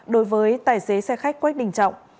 đối với tài xế xe khách quách đình trọng